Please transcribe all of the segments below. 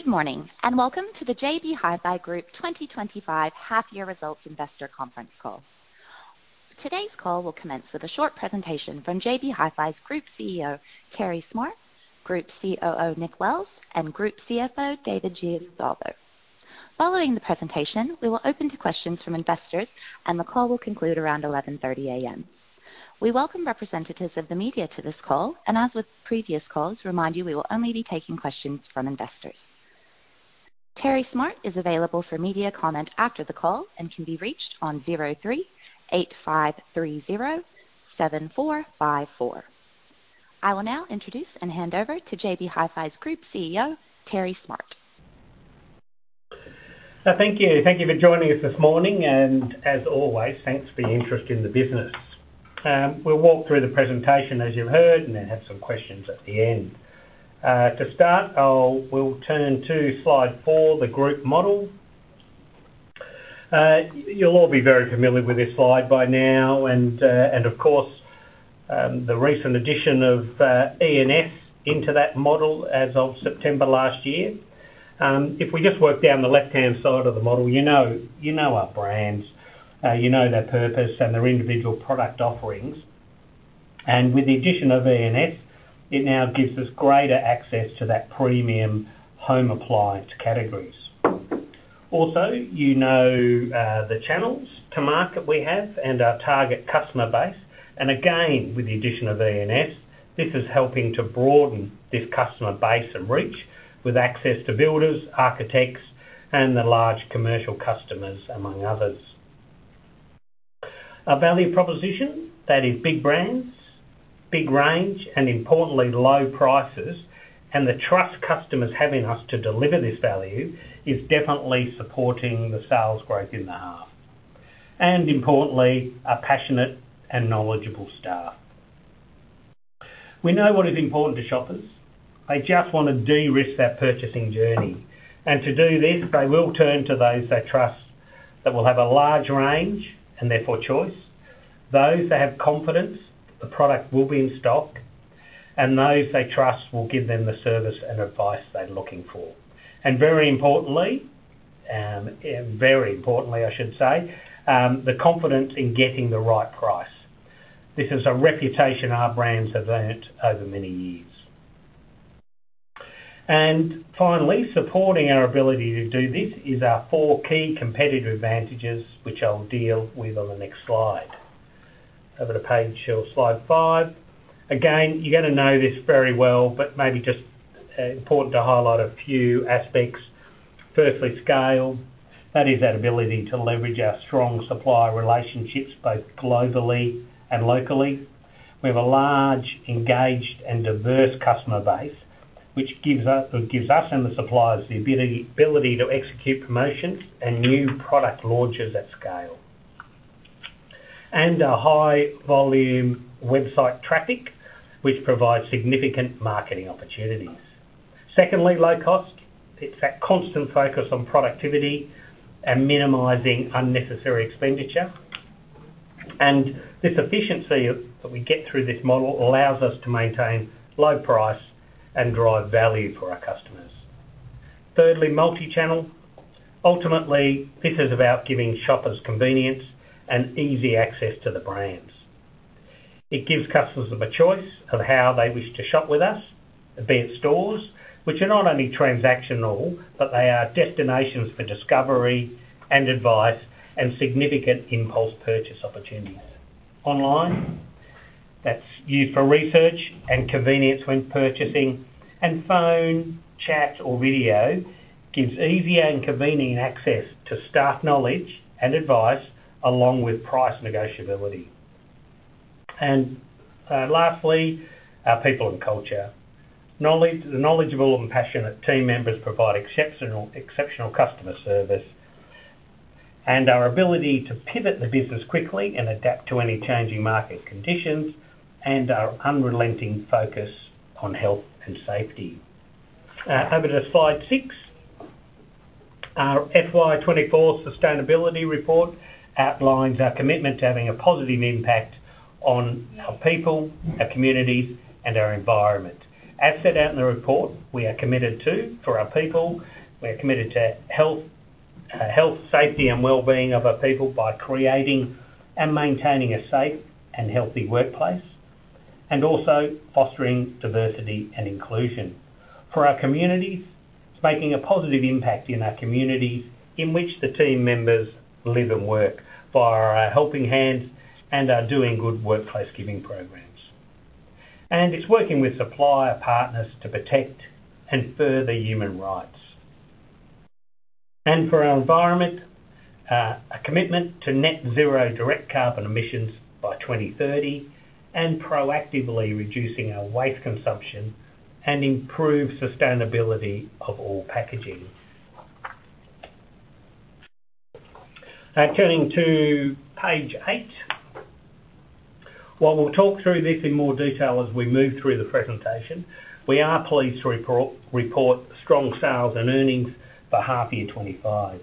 Good morning and welcome to the JB Hi-Fi Group 2025 Half-Year Results Investor Conference Call. Today's call will commence with a short presentation from JB Hi-Fi's Group CEO, Terry Smart, Group COO, Nick Wells, and Group CFO, David Giansalvo. Following the presentation, we will open to questions from investors, and the call will conclude around 11:30 A.M. We welcome representatives of the media to this call, and as with previous calls, remind you we will only be taking questions from investors. Terry Smart is available for media comment after the call and can be reached on 03-8530-7454. I will now introduce and hand over to JB Hi-Fi's Group CEO, Terry Smart. Thank you. Thank you for joining us this morning, and as always, thanks for your interest in the business. We'll walk through the presentation as you've heard and then have some questions at the end. To start, we'll turn to slide four, the group model. You'll all be very familiar with this slide by now, and of course, the recent addition of E&S into that model as of September last year. If we just work down the left-hand side of the model, you know our brands, you know their purpose and their individual product offerings. And with the addition of E&S, it now gives us greater access to that premium home appliance categories. Also, you know the channels to market we have and our target customer base. Again, with the addition of E&S, this is helping to broaden this customer base and reach with access to builders, architects, and the large commercial customers, among others. Our value proposition, that is big brands, big range, and importantly, low prices, and the trust customers have in us to deliver this value is definitely supporting the sales growth in the half. Importantly, our passionate and knowledgeable staff. We know what is important to shoppers. They just want to de-risk their purchasing journey. To do this, they will turn to those they trust that will have a large range and therefore choice, those they have confidence the product will be in stock, and those they trust will give them the service and advice they're looking for. Very importantly, very importantly, I should say, the confidence in getting the right price. This is a reputation our brands have earned over many years, and finally, supporting our ability to do this is our four key competitive advantages, which I'll deal with on the next slide. Over to page, slide five. Again, you're going to know this very well, but maybe just important to highlight a few aspects. Firstly, scale. That is our ability to leverage our strong supplier relationships both globally and locally. We have a large, engaged, and diverse customer base, which gives us and the suppliers the ability to execute promotions and new product launches at scale, and our high-volume website traffic, which provides significant marketing opportunities. Secondly, low cost. It's that constant focus on productivity and minimizing unnecessary expenditure, and this efficiency that we get through this model allows us to maintain low price and drive value for our customers. Thirdly, multi-channel. Ultimately, this is about giving shoppers convenience and easy access to the brands. It gives customers a choice of how they wish to shop with us, be it stores, which are not only transactional, but they are destinations for discovery and advice and significant impulse purchase opportunities. Online, that's used for research and convenience when purchasing. And phone, chat, or video gives easy and convenient access to staff knowledge and advice along with price negotiability. And lastly, our people and culture. Knowledgeable and passionate team members provide exceptional customer service. And our ability to pivot the business quickly and adapt to any changing market conditions and our unrelenting focus on health and safety. Over to slide six. Our FY 2024 sustainability report outlines our commitment to having a positive impact on our people, our communities, and our environment. As set out in the report, we are committed to, for our people, we are committed to health, safety, and well-being of our people by creating and maintaining a safe and healthy workplace, and also fostering diversity and inclusion. For our communities, it's making a positive impact in our communities in which the team members live and work via our Helping Hands and our Doing Good workplace giving programs, and it's working with supplier partners to protect and further human rights, and for our environment, a commitment to Net Zero direct carbon emissions by 2030 and proactively reducing our waste consumption and improved sustainability of all packaging. Turning to page eight. While we'll talk through this in more detail as we move through the presentation, we are pleased to report strong sales and earnings for half-year 2025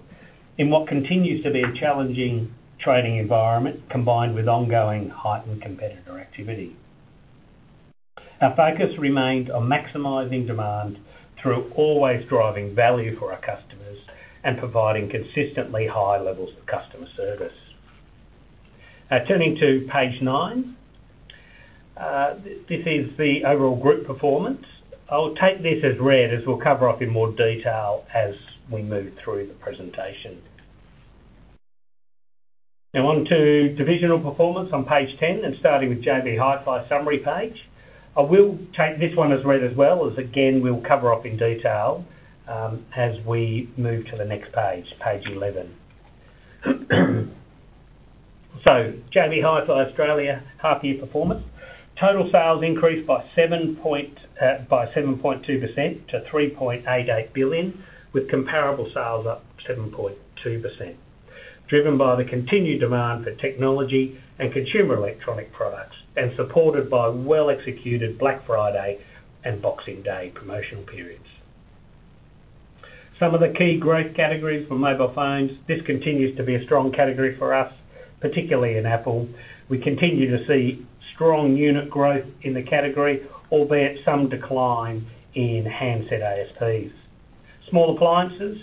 in what continues to be a challenging trading environment combined with ongoing heightened competitor activity. Our focus remained on maximizing demand through always driving value for our customers and providing consistently high levels of customer service. Turning to page nine, this is the overall group performance. I'll take this as read as we'll cover off in more detail as we move through the presentation. Now on to divisional performance on page 10 and starting with JB Hi-Fi summary page. I will take this one as read as well as again we'll cover off in detail as we move to the next page, page 11. So JB Hi-Fi Australia, half-year performance. Total sales increased by 7.2% to 3.88 billion, with comparable sales up 7.2%, driven by the continued demand for technology and consumer electronic products and supported by well-executed Black Friday and Boxing Day promotional periods. Some of the key growth categories for mobile phones, this continues to be a strong category for us, particularly in Apple. We continue to see strong unit growth in the category, albeit some decline in handset ASPs. Small appliances,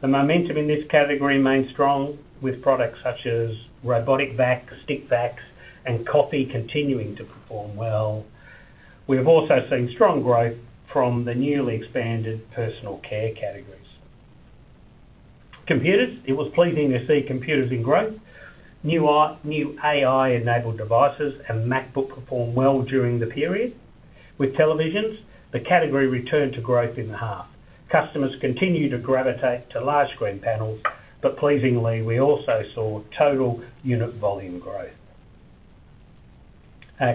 the momentum in this category remains strong with products such as robotic vacs, stick vacs, and coffee continuing to perform well. We have also seen strong growth from the newly expanded personal care categories. Computers, it was pleasing to see computers in growth. New AI-enabled devices and MacBook performed well during the period. With televisions, the category returned to growth in the half. Customers continue to gravitate to large screen panels, but pleasingly, we also saw total unit volume growth.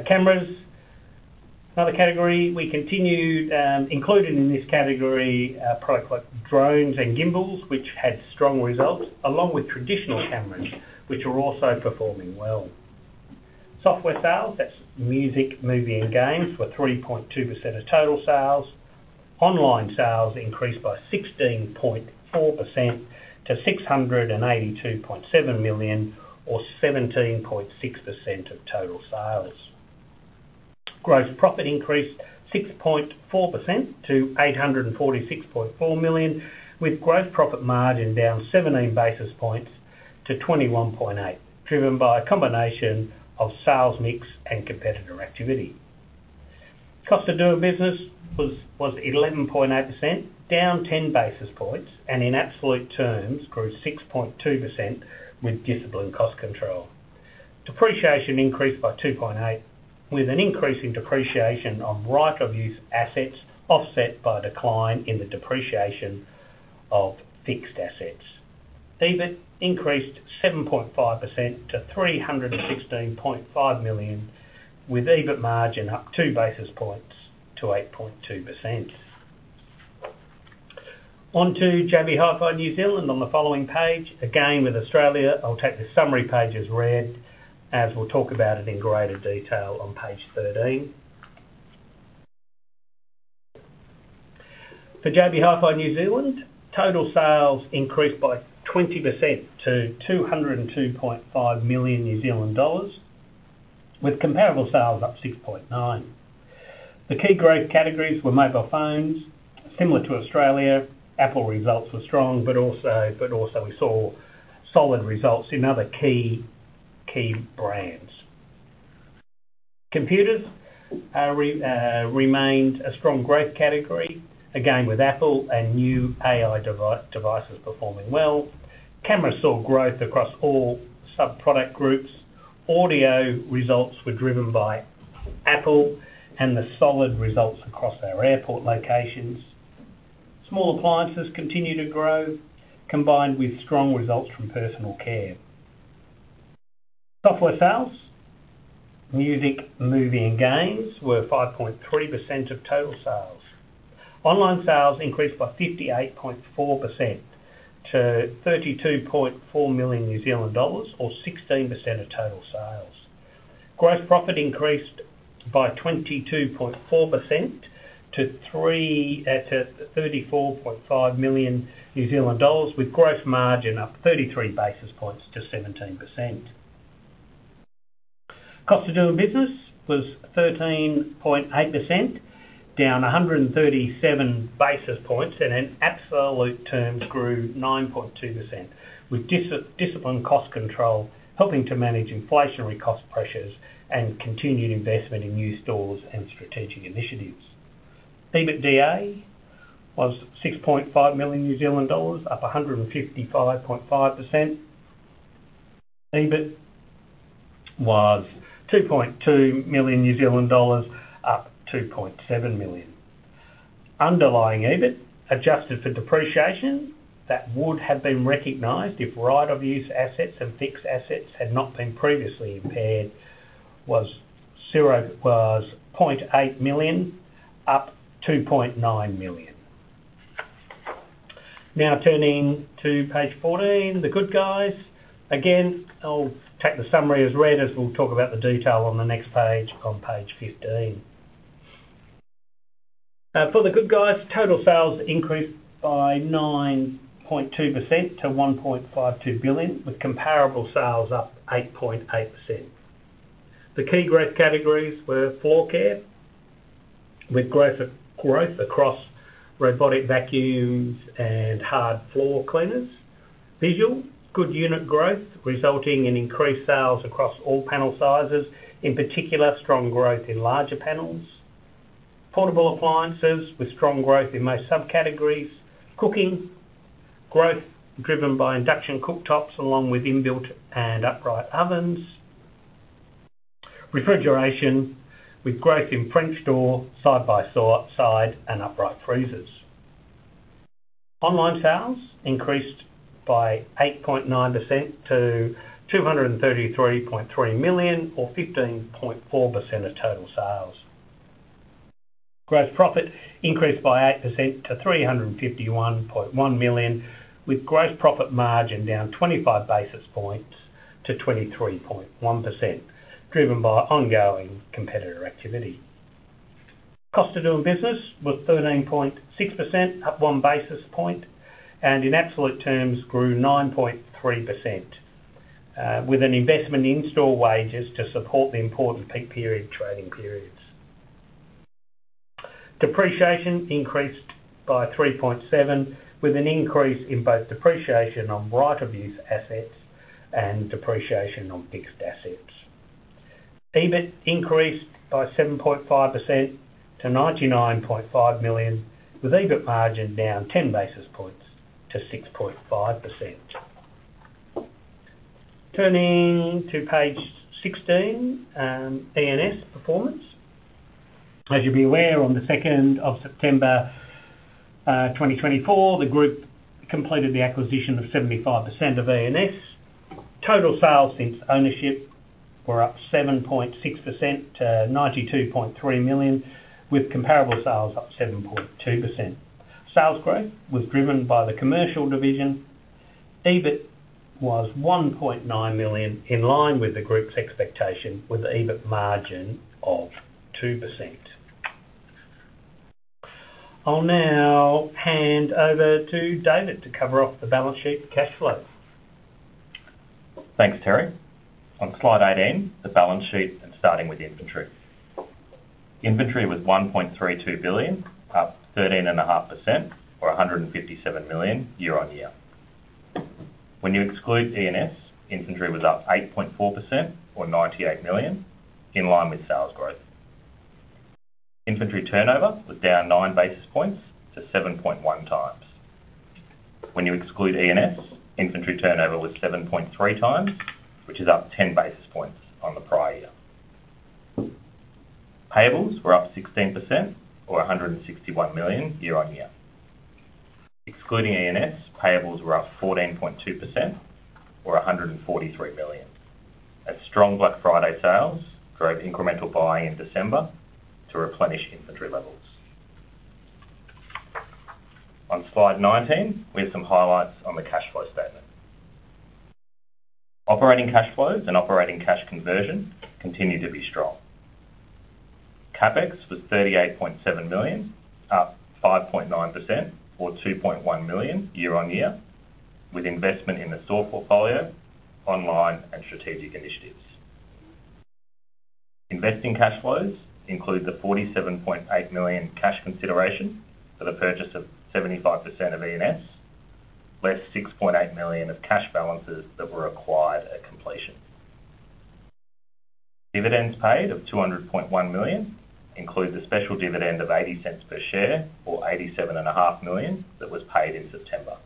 Cameras, another category, we included in this category products like drones and gimbals, which had strong results, along with traditional cameras, which are also performing well. Software sales, that's music, movie, and games, were 3.2% of total sales. Online sales increased by 16.4% to 682.7 million or 17.6% of total sales. Gross profit increased 6.4% to 846.4 million, with gross profit margin down 17 basis points to 21.8%, driven by a combination of sales mix and competitor activity. Cost of doing business was 11.8%, down 10 basis points, and in absolute terms grew 6.2% with disciplined cost control. Depreciation increased by 2.8%, with an increase in depreciation on right-of-use assets offset by decline in the depreciation of fixed assets. EBIT increased 7.5% to 316.5 million, with EBIT margin up 2 basis points to 8.2%. On to JB Hi-Fi New Zealand on the following page. Again, with Australia, I'll take the summary page as read, as we'll talk about it in greater detail on page 13. For JB Hi-Fi New Zealand, total sales increased by 20% to 202.5 million New Zealand dollars, with comparable sales up 6.9%. The key growth categories were mobile phones, similar to Australia. Apple results were strong, but also we saw solid results in other key brands. Computers remained a strong growth category, again with Apple and new AI devices performing well. Cameras saw growth across all sub-product groups. Audio results were driven by Apple and the solid results across our airport locations. Small appliances continue to grow, combined with strong results from personal care. Software sales, music, movie, and games were 5.3% of total sales. Online sales increased by 58.4% to 32.4 million New Zealand dollars or 16% of total sales. Gross profit increased by 22.4% to 34.5 million New Zealand dollars, with gross margin up 33 basis points to 17%. Cost of doing business was 13.8%, down 137 basis points, and in absolute terms grew 9.2%, with disciplined cost control helping to manage inflationary cost pressures and continued investment in new stores and strategic initiatives. EBITDA was 6.5 million New Zealand dollars, up 155.5%. EBIT was 2.2 million New Zealand dollars, up 2.7 million. Underlying EBIT, adjusted for depreciation that would have been recognized if right-of-use assets and fixed assets had not been previously impaired, was 0.8 million, up 2.9 million. Now turning to page 14, The Good Guys. Again, I'll take the summary as read, as we'll talk about the detail on the next page on page 15. For The Good Guys, total sales increased by 9.2% to 1.52 billion, with comparable sales up 8.8%. The key growth categories were floor care, with growth across robotic vacuums and hard floor cleaners. Visual, good unit growth resulting in increased sales across all panel sizes, in particular strong growth in larger panels. Portable appliances with strong growth in most sub-categories. Cooking, growth driven by induction cooktops along with inbuilt and upright ovens. Refrigeration, with growth in French door, side-by-side, and upright freezers. Online sales increased by 8.9% to 233.3 million or 15.4% of total sales. Gross profit increased by 8% to 351.1 million, with gross profit margin down 25 basis points to 23.1%, driven by ongoing competitor activity. Cost of doing business was 13.6%, up 1 basis point, and in absolute terms grew 9.3%, with an investment in store wages to support the important peak period trading periods. Depreciation increased by 3.7 million, with an increase in both depreciation on right-of-use assets and depreciation on fixed assets. EBIT increased by 7.5% to 99.5 million, with EBIT margin down 10 basis points to 6.5%. Turning to page 16, E&S performance. As you'll be aware, on the 2nd of September 2024, the group completed the acquisition of 75% of E&S. Total sales since ownership were up 7.6% to 92.3 million, with comparable sales up 7.2%. Sales growth was driven by the commercial division. EBIT was 1.9 million, in line with the group's expectation, with an EBIT margin of 2%. I'll now hand over to David to cover off the balance sheet cash flow. Thanks, Terry. On slide 18, the balance sheet and starting with inventory. Inventory was 1.32 billion, up 13.5% or 157 million year-on-year. When you exclude E&S, inventory was up 8.4% or 98 million, in line with sales growth. Inventory turnover was down 9 basis points to 7.1 times. When you exclude E&S, inventory turnover was 7.3 times, which is up 10 basis points on the prior year. Payables were up 16% or 161 million year-on-year. Excluding E&S, payables were up 14.2% or 143 million. As strong Black Friday sales drove incremental buying in December to replenish inventory levels. On slide 19, we have some highlights on the cash flow statement. Operating cash flows and operating cash conversion continue to be strong. CapEx was 38.7 million, up 5.9% or 2.1 million year-on-year, with investment in the store portfolio, online, and strategic initiatives. Investing cash flows include the 47.8 million cash consideration for the purchase of 75% of E&S, less 6.8 million of cash balances that were acquired at completion. Dividends paid of 200.1 million include the special dividend of 0.80 per share or 87.5 million that was paid in September.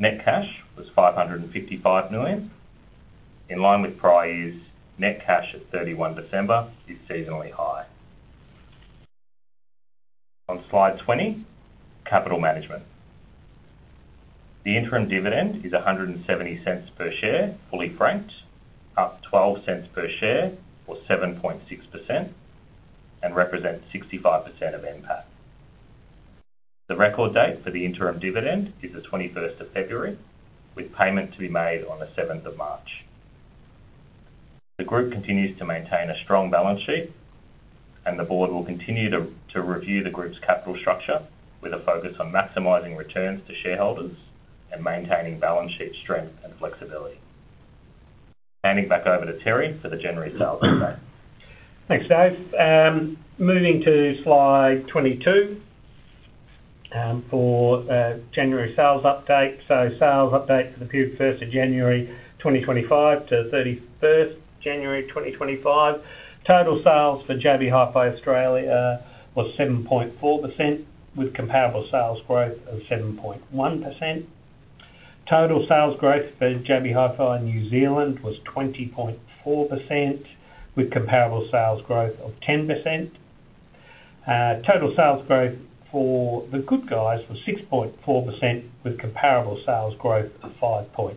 Net cash was 555 million. In line with prior years, net cash at 31 December is seasonally high. On slide 20, capital management. The interim dividend is 1.70 per share, fully franked, up 0.12 per share or 7.6%, and represents 65% of NPAT. The record date for the interim dividend is the 21st of February, with payment to be made on the 7th of March. The group continues to maintain a strong balance sheet, and the board will continue to review the group's capital structure with a focus on maximizing returns to shareholders and maintaining balance sheet strength and flexibility. Handing back over to Terry for the January sales update. Thanks, Dave. Moving to slide 22 for January sales update. Sales update for the 1st of January 2025 to 31st January 2025. Total sales for JB Hi-Fi Australia was 7.4%, with comparable sales growth of 7.1%. Total sales growth for JB Hi-Fi New Zealand was 20.4%, with comparable sales growth of 10%. Total sales growth for The Good Guys was 6.4%, with comparable sales growth of 5.9%.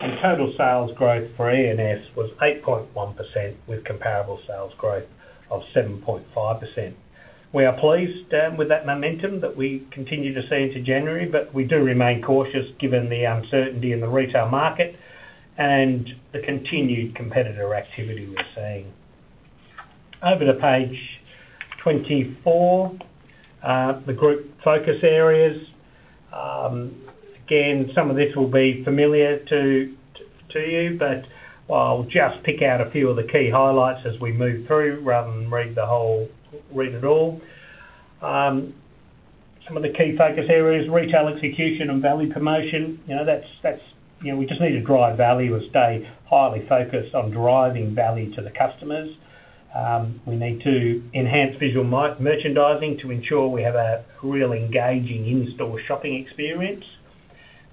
And total sales growth for E&S was 8.1%, with comparable sales growth of 7.5%. We are pleased with that momentum that we continue to see into January, but we do remain cautious given the uncertainty in the retail market and the continued competitor activity we're seeing. Over to page 24, the group focus areas. Again, some of this will be familiar to you, but I'll just pick out a few of the key highlights as we move through rather than read it all. Some of the key focus areas: retail execution and value promotion. We just need to drive value and stay highly focused on driving value to the customers. We need to enhance visual merchandising to ensure we have a real engaging in-store shopping experience,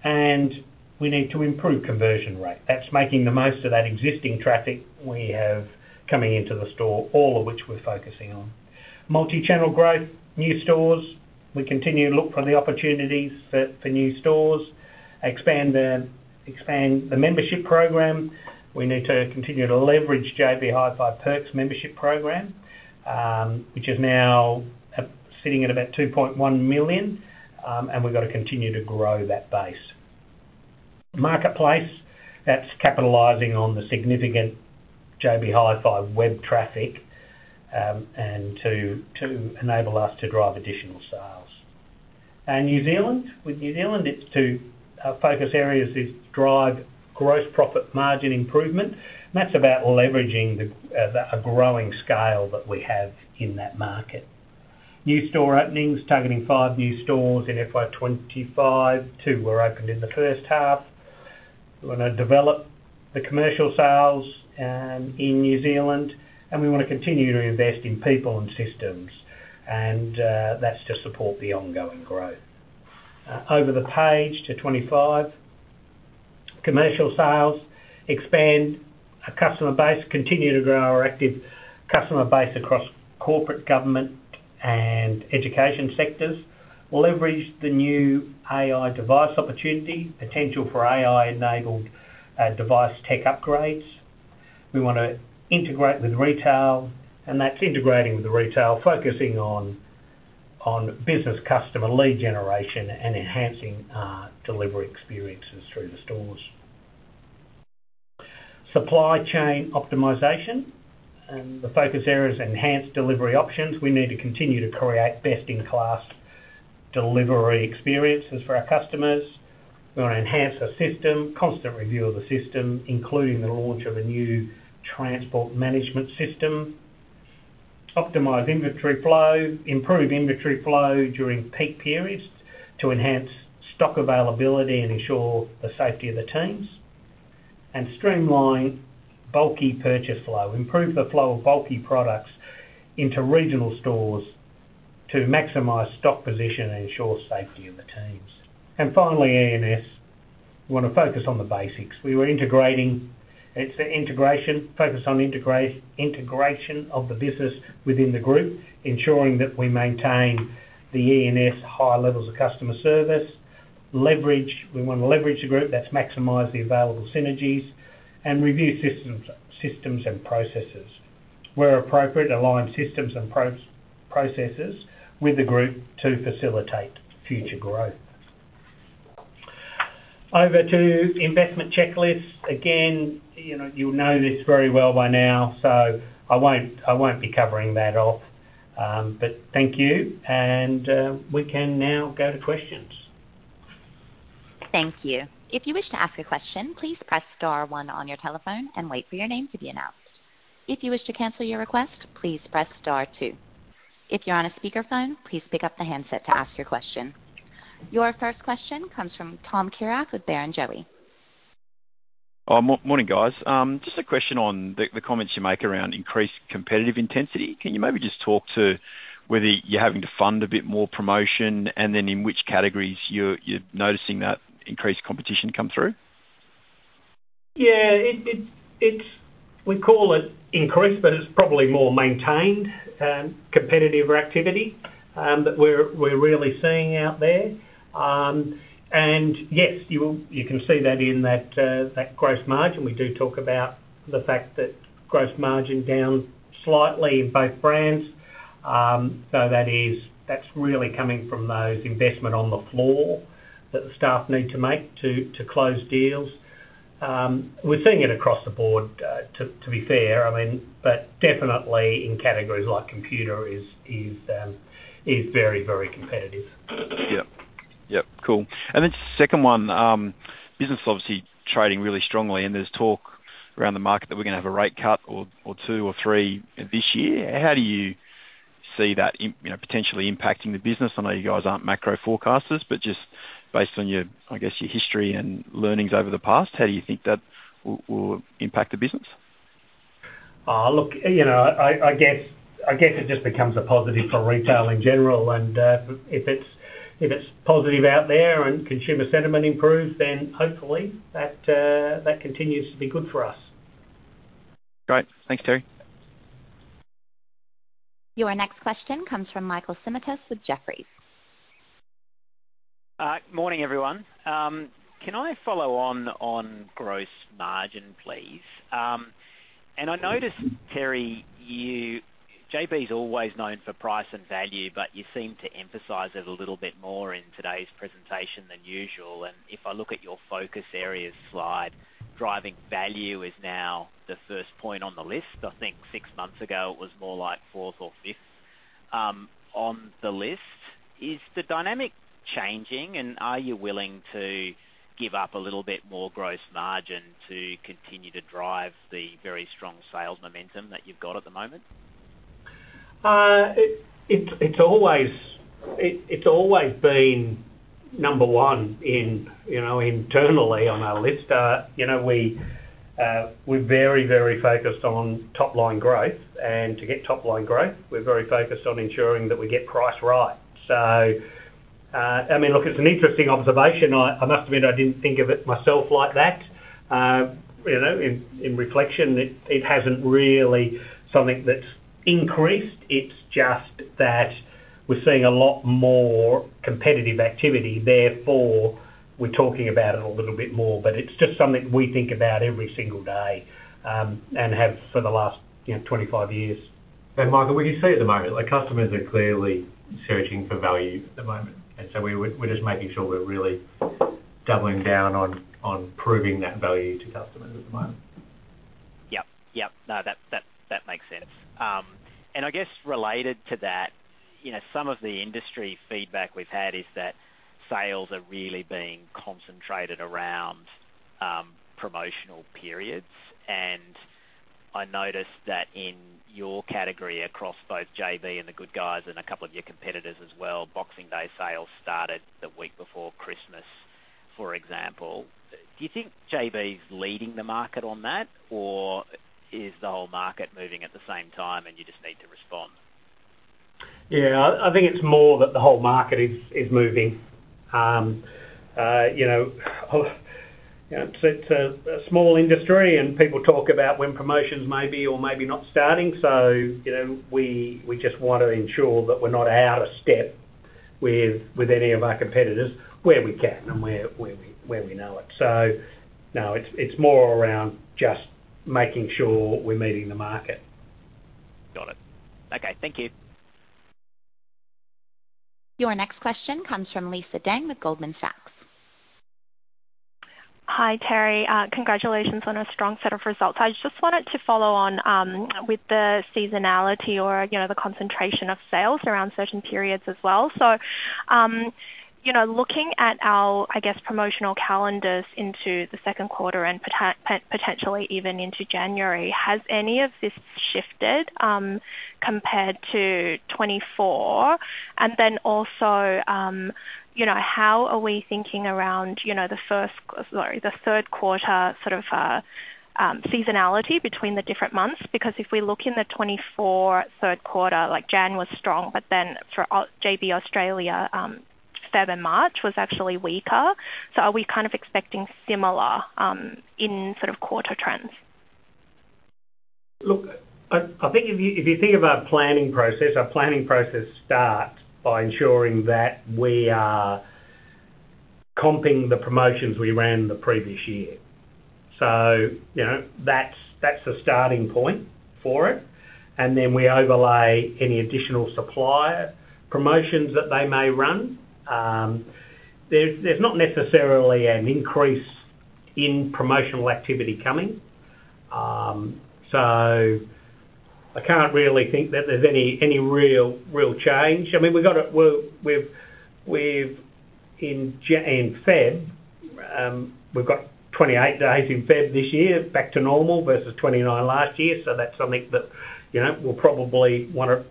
and we need to improve conversion rate. That's making the most of that existing traffic we have coming into the store, all of which we're focusing on. Multichannel growth: new stores. We continue to look for the opportunities for new stores. Expand the membership program. We need to continue to leverage JB Hi-Fi Perks membership program, which is now sitting at about 2.1 million, and we've got to continue to grow that base. Marketplace: that's capitalizing on the significant JB Hi-Fi web traffic and to enable us to drive additional sales, and New Zealand, with New Zealand, its two focus areas is drive gross profit margin improvement. That's about leveraging the growing scale that we have in that market. New store openings, targeting five new stores in FY 2025. Two were opened in the first half. We want to develop the commercial sales in New Zealand, and we want to continue to invest in people and systems, and that's to support the ongoing growth. Over the page to 25, commercial sales, expand a customer base, continue to grow our active customer base across corporate, government, and education sectors. Leverage the new AI device opportunity, potential for AI-enabled device tech upgrades. We want to integrate with retail, and that's integrating with retail, focusing on business customer lead generation and enhancing delivery experiences through the stores. Supply chain optimization, and the focus area is enhanced delivery options. We need to continue to create best-in-class delivery experiences for our customers. We want to enhance our system, constant review of the system, including the launch of a new transport management system. Optimize inventory flow, improve inventory flow during peak periods to enhance stock availability and ensure the safety of the teams. And streamline bulky purchase flow, improve the flow of bulky products into regional stores to maximize stock position and ensure safety of the teams. And finally, E&S, we want to focus on the basics. We were integrating, it's an integration, focus on integration of the business within the group, ensuring that we maintain the E&S high levels of customer service. Leverage, we want to leverage the group, that's maximize the available synergies and review systems and processes. Where appropriate, align systems and processes with the group to facilitate future growth. Over to investment checklist. Again, you'll know this very well by now, so I won't be covering that off, but thank you, and we can now go to questions. Thank you. If you wish to ask a question, please press star one on your telephone and wait for your name to be announced. If you wish to cancel your request, please press star two. If you're on a speakerphone, please pick up the handset to ask your question. Your first question comes from Tom Kierath with Barrenjoey. Morning, guys. Just a question on the comments you make around increased competitive intensity. Can you maybe just talk to whether you're having to fund a bit more promotion and then in which categories you're noticing that increased competition come through? Yeah, we call it increased, but it's probably more maintained competitive activity that we're really seeing out there. Yes, you can see that in that gross margin. We do talk about the fact that gross margin down slightly in both brands. So that's really coming from those investments on the floor that the staff need to make to close deals. We're seeing it across the board, to be fair, but definitely in categories like computers is very, very competitive. Yep. Yep. Cool. Then the second one, business is obviously trading really strongly, and there's talk around the market that we're going to have a rate cut or two or three this year. How do you see that potentially impacting the business? I know you guys aren't macro forecasters, but just based on, I guess, your history and learnings over the past, how do you think that will impact the business? Look, I guess it just becomes a positive for retail in general, and if it's positive out there and consumer sentiment improves, then hopefully that continues to be good for us. Great. Thanks, Terry. Your next question comes from Michael Simotas with Jefferies. Morning, everyone. Can I follow on gross margin, please? And I noticed, Terry, JB's always known for price and value, but you seem to emphasize it a little bit more in today's presentation than usual. And if I look at your focus areas slide, driving value is now the first point on the list. I think six months ago it was more like fourth or fifth on the list. Is the dynamic changing, and are you willing to give up a little bit more gross margin to continue to drive the very strong sales momentum that you've got at the moment? It's always been number one internally on our list. We're very, very focused on top-line growth, and to get top-line growth, we're very focused on ensuring that we get price right. So, I mean, look, it's an interesting observation. I must admit I didn't think of it myself like that. In reflection, it hasn't really been something that's increased. It's just that we're seeing a lot more competitive activity. Therefore, we're talking about it a little bit more, but it's just something we think about every single day and have for the last 25 years. And Michael, what do you see at the moment? Customers are clearly searching for value at the moment, and so we're just making sure we're really doubling down on proving that value to customers at the moment. Yep. Yep. No, that makes sense. I guess related to that, some of the industry feedback we've had is that sales are really being concentrated around promotional periods. I noticed that in your category across both JB and The Good Guys and a couple of your competitors as well, Boxing Day sales started the week before Christmas, for example. Do you think JB's leading the market on that, or is the whole market moving at the same time and you just need to respond? Yeah, I think it's more that the whole market is moving. It's a small industry, and people talk about when promotions may be or may be not starting. We just want to ensure that we're not out of step with any of our competitors where we can and where we know it. No, it's more around just making sure we're meeting the market. Got it. Okay. Thank you. Your next question comes from Lisa Deng with Goldman Sachs. Hi, Terry. Congratulations on a strong set of results. I just wanted to follow on with the seasonality or the concentration of sales around certain periods as well. So looking at our, I guess, promotional calendars into the second quarter and potentially even into January, has any of this shifted compared to 2024? And then also, how are we thinking around the first, sorry, the third quarter sort of seasonality between the different months? Because if we look in the 2024 third quarter, like January was strong, but then for JB Australia, February and March was actually weaker. So are we kind of expecting similar in sort of quarter trends? Look, I think if you think of our planning process, our planning process starts by ensuring that we are comping the promotions we ran the previous year. So that's the starting point for it. And then we overlay any additional supplier promotions that they may run. There's not necessarily an increase in promotional activity coming. So I can't really think that there's any real change. I mean, we've in February, we've got 28 days in February this year, back to normal versus 29 last year. So that's something that we'll probably want to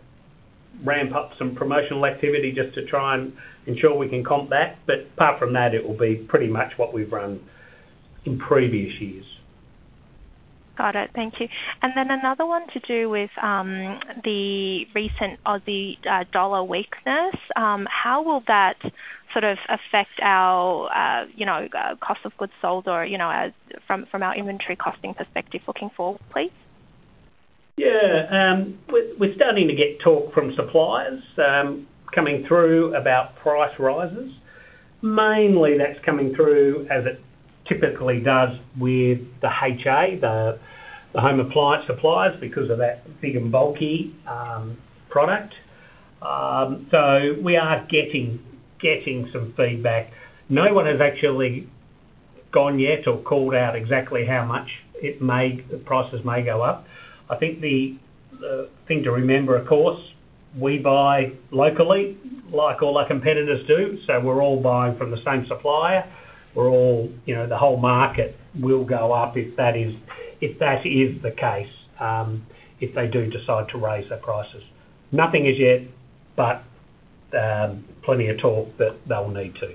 ramp up some promotional activity just to try and ensure we can comp that. But apart from that, it will be pretty much what we've run in previous years. Got it. Thank you. And then another one to do with the recent Aussie dollar weakness. How will that sort of affect our cost of goods sold or from our inventory costing perspective looking forward, please? Yeah. We're starting to get talk from suppliers coming through about price rises. Mainly, that's coming through as it typically does with the HA, the home appliance suppliers, because of that big and bulky product. So we are getting some feedback. No one has actually gone yet or called out exactly how much the prices may go up. I think the thing to remember, of course, we buy locally like all our competitors do. So we're all buying from the same supplier. We're all the whole market will go up if that is the case, if they do decide to raise their prices. Nothing is yet, but plenty of talk that they'll need to.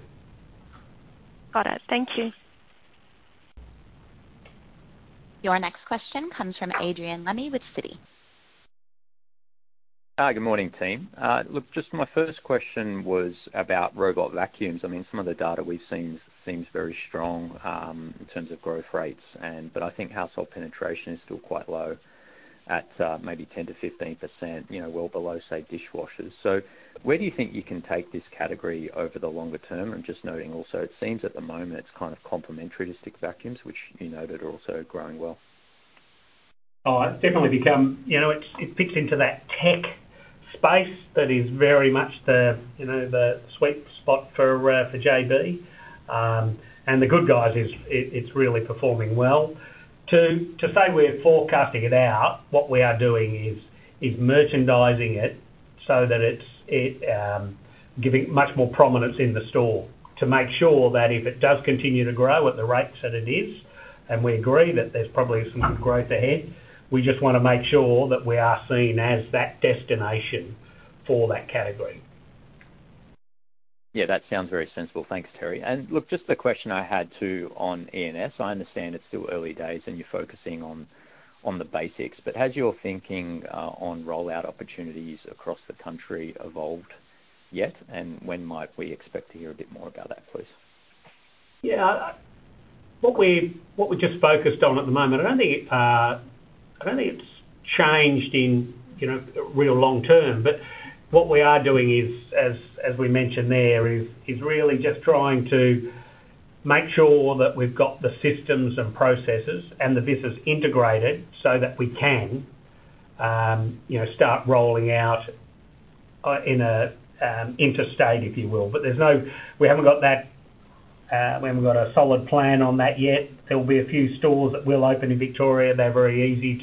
Got it. Thank you. Your next question comes from Adrian Lemme with Citi. Hi, good morning, team. Look, just my first question was about robot vacuums. I mean, some of the data we've seen seems very strong in terms of growth rates, but I think household penetration is still quite low at maybe 10%-15%, well below, say, dishwashers. So where do you think you can take this category over the longer term? And just noting also, it seems at the moment it's kind of complementary to stick vacuums, which you noted are also growing well. Definitely become it fits into that tech space that is very much the sweet spot for JB and The Good Guys, it's really performing well. To say we're forecasting it out, what we are doing is merchandising it so that it's giving much more prominence in the store to make sure that if it does continue to grow at the rates that it is, and we agree that there's probably some good growth ahead, we just want to make sure that we are seen as that destination for that category. Yeah, that sounds very sensible. Thanks, Terry. And look, just the question I had too on E&S. I understand it's still early days and you're focusing on the basics, but has your thinking on rollout opportunities across the country evolved yet? And when might we expect to hear a bit more about that, please? Yeah. What we're just focused on at the moment, I don't think it's changed in real long term, but what we are doing is, as we mentioned there, is really just trying to make sure that we've got the systems and processes and the business integrated so that we can start rolling out in an interstate, if you will. But we haven't got that. We haven't got a solid plan on that yet. There will be a few stores that will open in Victoria. They're very easy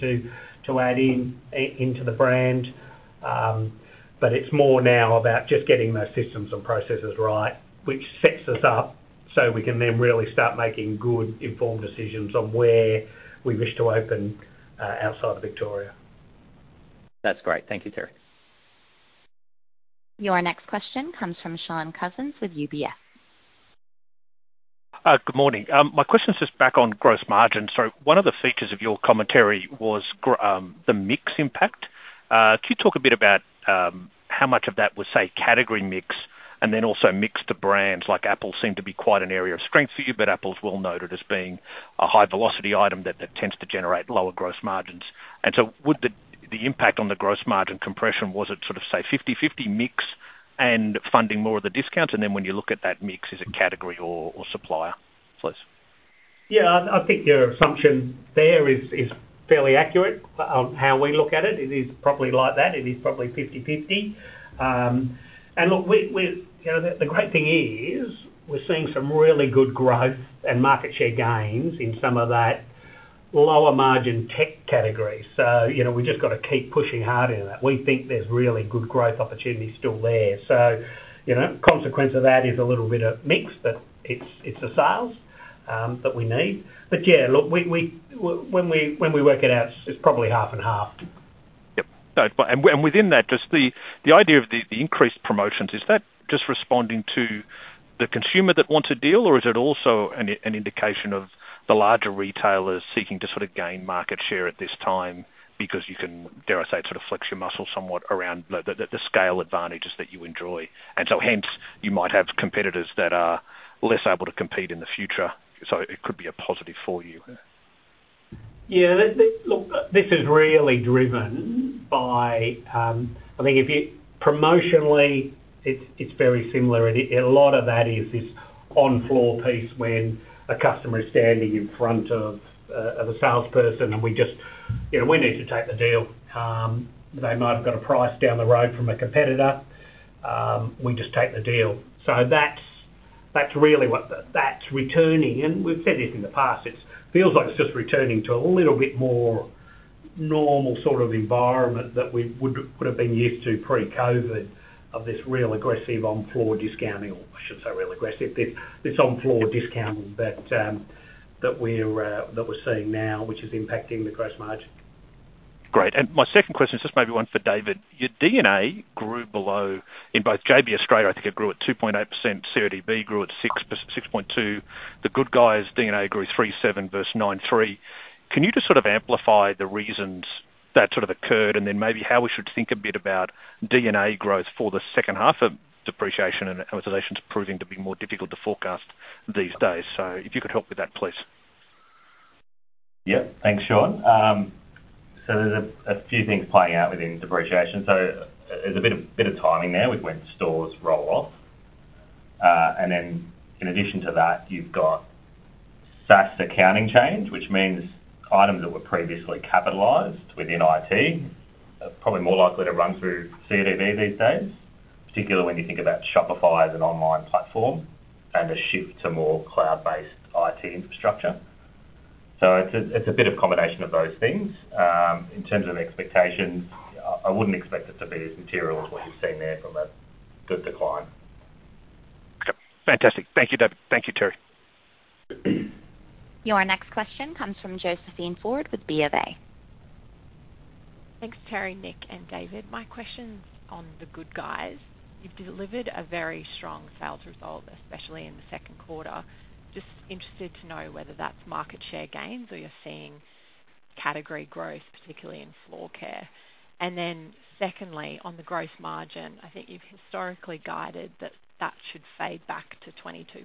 to add into the brand. But it's more now about just getting those systems and processes right, which sets us up so we can then really start making good informed decisions on where we wish to open outside of Victoria. That's great. Thank you, Terry. Your next question comes from Shaun Cousins with UBS. Good morning. My question's just back on gross margin. So one of the features of your commentary was the mix impact. Could you talk a bit about how much of that was, say, category mix and then also mixed to brands? Apple seemed to be quite an area of strength for you, but Apple's well noted as being a high-velocity item that tends to generate lower gross margins. And so the impact on the gross margin compression, was it sort of, say, 50/50 mix and funding more of the discount? And then when you look at that mix, is it category or supplier, please? Yeah, I think your assumption there is fairly accurate on how we look at it. It is probably like that. It is probably 50/50. And look, the great thing is we're seeing some really good growth and market share gains in some of that lower margin tech category. So we've just got to keep pushing hard in that. We think there's really good growth opportunity still there. So consequence of that is a little bit of mix that it's the sales that we need. But yeah, look, when we work it out, it's probably 50/50. Yep. And within that, just the idea of the increased promotions, is that just responding to the consumer that wants a deal, or is it also an indication of the larger retailers seeking to sort of gain market share at this time because you can, dare I say, sort of flex your muscles somewhat around the scale advantages that you enjoy? And so hence, you might have competitors that are less able to compete in the future. So it could be a positive for you. Yeah. Look, this is really driven by, I mean, promotionally, it's very similar. And a lot of that is this on-floor piece when a customer is standing in front of a salesperson and we just, "We need to take the deal." They might have got a price down the road from a competitor. We just take the deal. So that's really what that's returning. And we've said this in the past. It feels like it's just returning to a little bit more normal sort of environment that we would have been used to pre-COVID of this real aggressive on-floor discounting, or I shouldn't say real aggressive. This on-floor discounting that we're seeing now, which is impacting the gross margin. Great. And my second question is just maybe one for David. Your D&A grew below in both JB Australia, I think it grew at 2.8%. CODB grew at 6.2%. The Good Guys' D&A grew 3.7% versus 9.3%. Can you just sort of amplify the reasons that sort of occurred, and then maybe how we should think a bit about D&A for the second half, depreciation and amortization proving to be more difficult to forecast these days? So if you could help with that, please. Yep. Thanks, Shaun. So there's a few things playing out within depreciation. So there's a bit of timing there with when stores roll off. And then in addition to that, you've got SaaS accounting change, which means items that were previously capitalized within IT are probably more likely to run through CODB these days, particularly when you think about Shopify as an online platform and a shift to more cloud-based IT infrastructure. So it's a bit of combination of those things. In terms of expectations, I wouldn't expect it to be as material as what you've seen there from a good decline. Fantastic. Thank you, David. Thank you, Terry. Your next question comes from Josephine Ford with BofA. Thanks, Terry, Nick, and David. My question's on The Good Guys. You've delivered a very strong sales result, especially in the second quarter. Just interested to know whether that's market share gains or you're seeing category growth, particularly in floor care. And then secondly, on the gross margin, I think you've historically guided that that should fade back to 22%,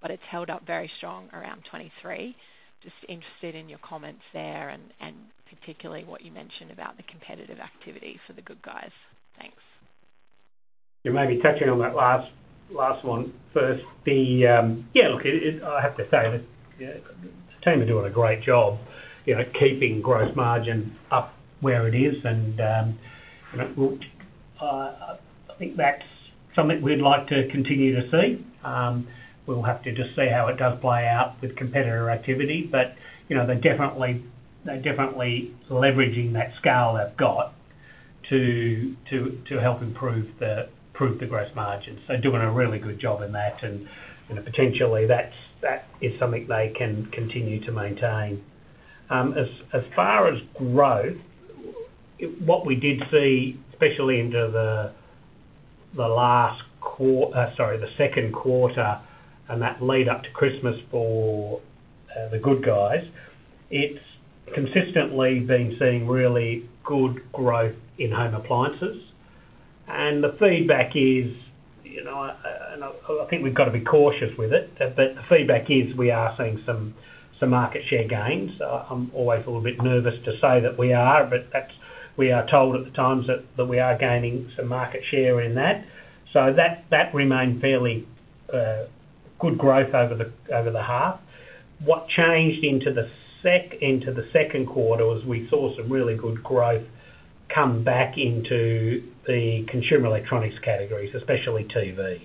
but it's held up very strong around 23%. Just interested in your comments there and particularly what you mentioned about the competitive activity for The Good Guys. Thanks. You're maybe touching on that last one first. Yeah, look, I have to say the team are doing a great job keeping gross margin up where it is. And I think that's something we'd like to continue to see. We'll have to just see how it does play out with competitor activity. But they're definitely leveraging that scale they've got to help improve the gross margin. So doing a really good job in that. And potentially, that is something they can continue to maintain. As far as growth, what we did see, especially into the last quarter, sorry, the second quarter, and that lead up to Christmas for The Good Guys, it's consistently been seeing really good growth in home appliances. And the feedback is, and I think we've got to be cautious with it, but the feedback is we are seeing some market share gains. I'm always a little bit nervous to say that we are, but we are told at times that we are gaining some market share in that. So that remained fairly good growth over the half. What changed into the second quarter was we saw some really good growth come back into the consumer electronics categories, especially TV.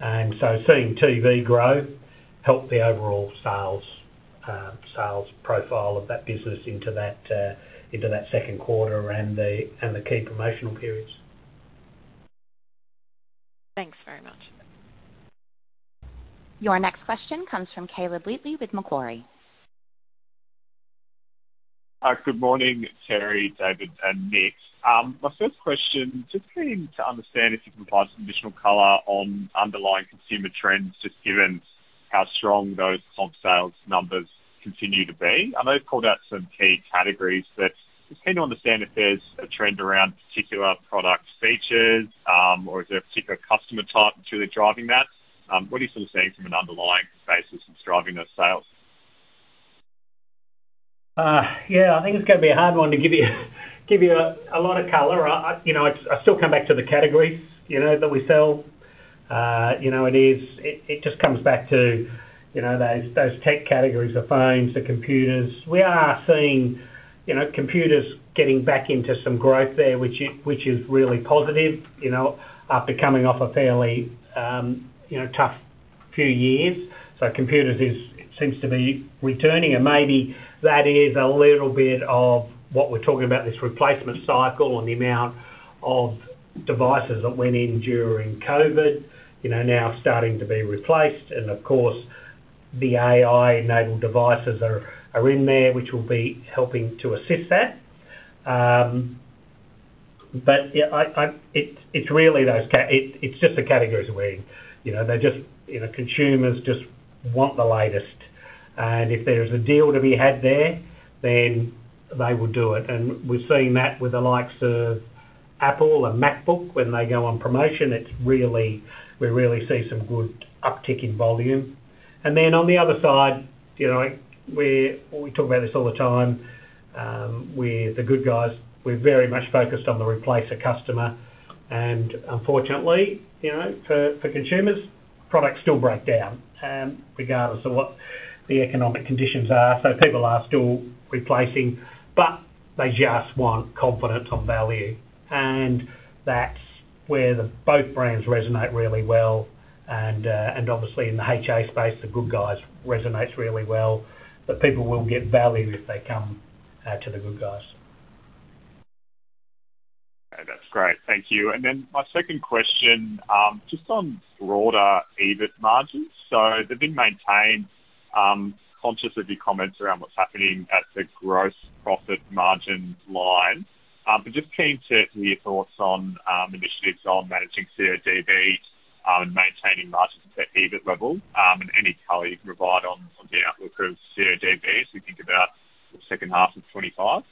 And so seeing TV grow helped the overall sales profile of that business into that second quarter and the key promotional periods. Thanks very much. Your next question comes from Caleb Wheatley with Macquarie. Good morning, Terry, David, and Nick. My first question, just to understand if you can provide some additional color on underlying consumer trends, just given how strong those comp sales numbers continue to be. I know you've pulled out some key categories, but just keen to understand if there's a trend around particular product features or is there a particular customer type that's really driving that? What are you sort of seeing from an underlying basis that's driving those sales? Yeah, I think it's going to be a hard one to give you a lot of color. I still come back to the categories that we sell. It just comes back to those tech categories of phones, the computers. We are seeing computers getting back into some growth there, which is really positive after coming off a fairly tough few years. So computers seems to be returning. And maybe that is a little bit of what we're talking about, this replacement cycle and the amount of devices that went in during COVID, now starting to be replaced. Of course, the AI-enabled devices are in there, which will be helping to assist that. But it's really those it's just the categories we're in. Consumers just want the latest. And if there's a deal to be had there, then they will do it. And we've seen that with the likes of Apple and MacBook when they go on promotion. We really see some good uptick in volume. And then on the other side, we talk about this all the time. The Good Guys, we're very much focused on the replacer customer. And unfortunately, for consumers, products still break down regardless of what the economic conditions are. So people are still replacing, but they just want confidence on value. And that's where both brands resonate really well. And obviously, in the HA space, The Good Guys resonate really well. But people will get value if they come to The Good Guys. That's great. Thank you. And then my second question, just on broader EBIT margins. So they've been maintained, conscious of your comments around what's happening at the gross profit margin line. But just keen to hear your thoughts on initiatives on managing CODB and maintaining margins at EBIT level and any color you can provide on the outlook of CODB as we think about the second half of 2025.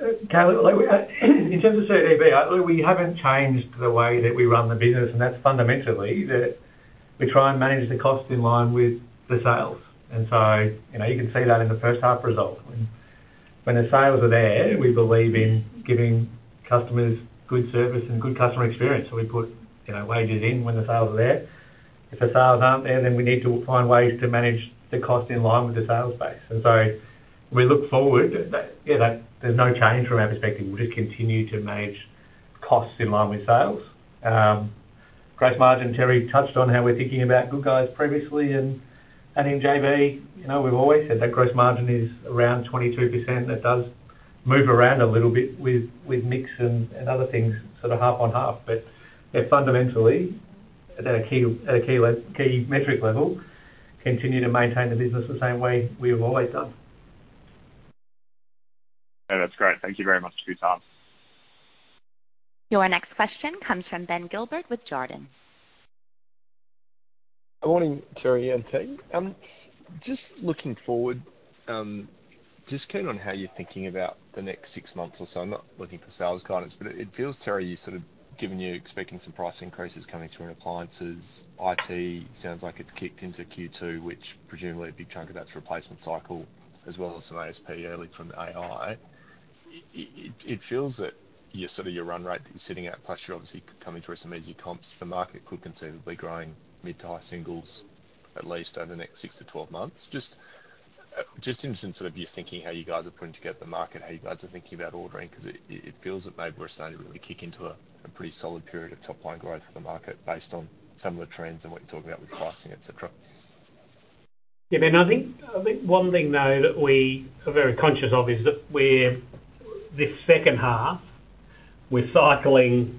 In terms of CODB, we haven't changed the way that we run the business. And that's fundamentally that we try and manage the cost in line with the sales. And so you can see that in the first half result. When the sales are there, we believe in giving customers good service and good customer experience. So we put wages in when the sales are there. If the sales aren't there, then we need to find ways to manage the cost in line with the sales base. And so we look forward. Yeah, there's no change from our perspective. We'll just continue to manage costs in line with sales. Gross margin, Terry touched on how we're thinking about The Good Guys previously. And in JB, we've always said that gross margin is around 22%. That does move around a little bit with mix and other things, sort of 50/50. But fundamentally, at a key metric level, continue to maintain the business the same way we have always done. That's great. Thank you very much for your time. Your next question comes from Ben Gilbert with Jarden. Good morning, Terry and team. Just looking forward, just keen on how you're thinking about the next six months or so. I'm not looking for sales guidance, but it feels, Terry, you've sort of given, you're expecting some price increases coming through in appliances. It sounds like it's kicked into Q2, which presumably a big chunk of that's replacement cycle as well as some ASP early from AI. It feels that you're sort of your run rate that you're sitting at, plus you're obviously coming through some easy comps, the market could considerably growing mid-to-high singles at least over the next six to 12 months. Just interested in sort of your thinking, how you guys are putting together the market, how you guys are thinking about ordering, because it feels that maybe we're starting to really kick into a pretty solid period of top-line growth for the market based on some of the trends and what you're talking about with pricing, etc. Yeah, I think one thing though that we are very conscious of is that this second half, we're cycling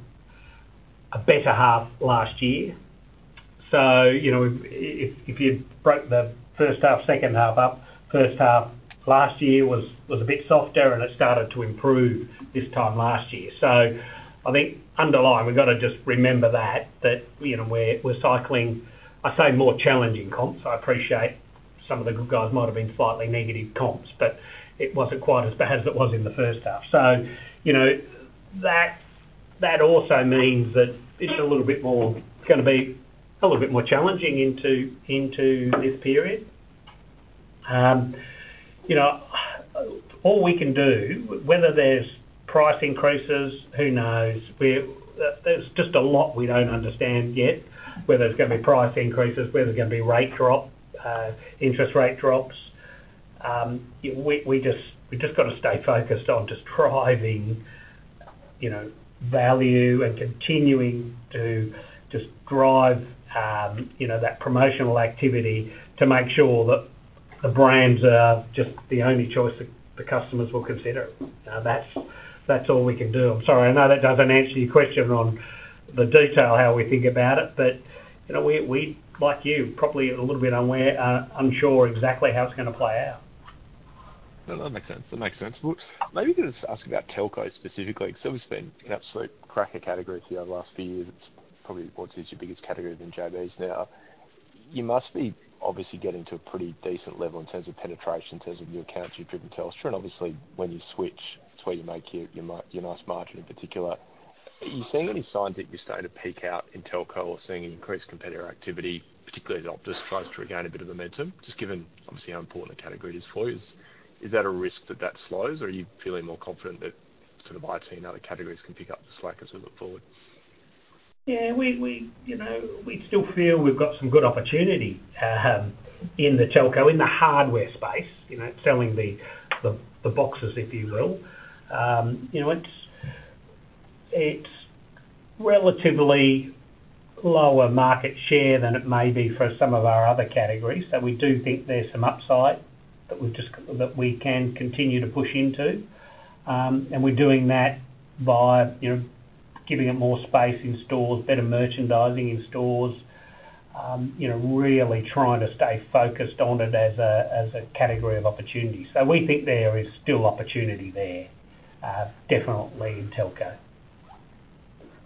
a better half last year. So if you broke the first half, second half up, first half last year was a bit softer, and it started to improve this time last year. So I think, underlie, we've got to just remember that, that we're cycling, I say, more challenging comps. I appreciate some of The Good Guys might have been slightly negative comps, but it wasn't quite as bad as it was in the first half. So that also means that it's a little bit more going to be a little bit more challenging into this period. All we can do, whether there's price increases, who knows? There's just a lot we don't understand yet, whether it's going to be price increases, whether it's going to be rate drop, interest rate drops. We've just got to stay focused on just driving value and continuing to just drive that promotional activity to make sure that the brands are just the only choice that the customers will consider. That's all we can do. I'm sorry. I know that doesn't answer your question on the detail, how we think about it, but we, like you, probably are a little bit unsure exactly how it's going to play out. That makes sense. That makes sense. Maybe you can just ask about telcos specifically. Telcos have been an absolute cracker category for you over the last few years. It's probably what is your biggest category than JB's now. You must be obviously getting to a pretty decent level in terms of penetration, in terms of the accounts you've driven telco. Obviously, when you switch, it's where you make your nice margin in particular. Are you seeing any signs that you're starting to peak out in telco or seeing an increased competitor activity, particularly as Optus tries to regain a bit of momentum? Just given, obviously, how important a category it is for you, is that a risk that that slows, or are you feeling more confident that sort of IT and other categories can pick up the slack as we look forward? Yeah, we still feel we've got some good opportunity in the telco, in the hardware space, selling the boxes, if you will. It's relatively lower market share than it may be for some of our other categories. So we do think there's some upside that we can continue to push into. And we're doing that by giving it more space in stores, better merchandising in stores, really trying to stay focused on it as a category of opportunity. So we think there is still opportunity there, definitely in telco.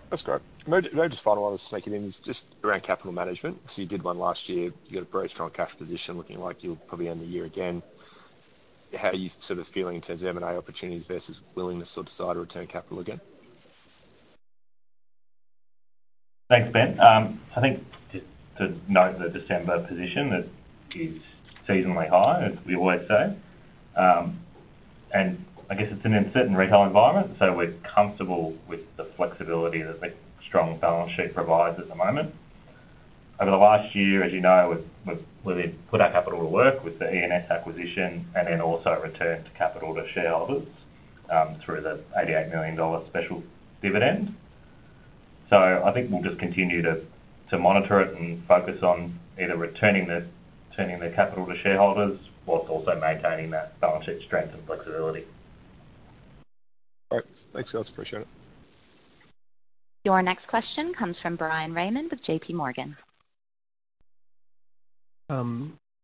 That's great. Now just final one to sneak in is just around capital management. So you did one last year. You've got a very strong cash position looking like you'll probably end the year again. How are you sort of feeling in terms of M&A opportunities versus willingness to decide to return capital again? Thanks, Ben. I think to note that the December position is seasonally high, as we always say. And I guess it's an uncertain retail environment. So we're comfortable with the flexibility that the strong balance sheet provides at the moment. Over the last year, as you know, we've put our capital to work with the E&S acquisition and then also returned capital to shareholders through the 88 million dollar special dividend. So I think we'll just continue to monitor it and focus on either returning the capital to shareholders while also maintaining that balance sheet strength and flexibility. Great. Thanks, guys. Appreciate it. Your next question comes from Bryan Raymond with JPMorgan.